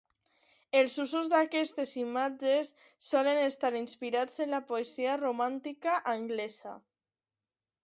Els usos d'aquestes imatges solen estar inspirats en la poesia romàntica anglesa.